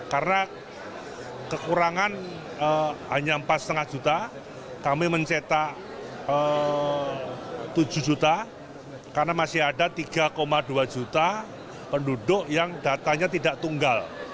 karena kekurangan hanya empat lima juta kami mencetak tujuh juta karena masih ada tiga dua juta penduduk yang datanya tidak tunggal